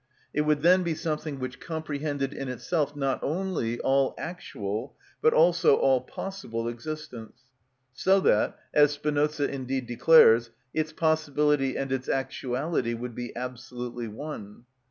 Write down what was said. It would then be something which comprehended in itself not only all actual but also all possible existence, so that, as Spinoza indeed declares, its possibility and its actuality would be absolutely one.